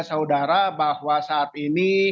saudara bahwa saat ini